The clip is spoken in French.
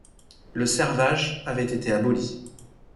Le servage avait été aboli.